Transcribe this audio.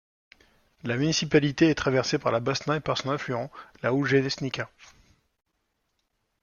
La municipalité est traversée par la Bosna et par son affluent, la Željeznica.